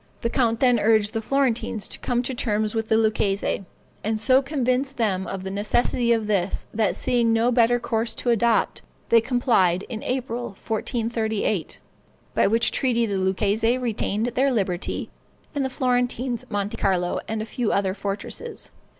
The count then urged the Florentines to come to terms with the Lucchese, and so convinced them of the necessity of this, that seeing no better course to adopt, they complied in April, 1438, by which treaty the Lucchese retained their liberty, and the Florentines Monte Carlo and a few other fortresses.